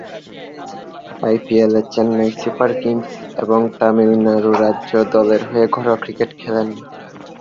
আইপিএলে Chennai Super Kings এবং তামিলনাড়ু রাজ্য দলের হয়ে ঘরোয়া ক্রিকেট খেলেন।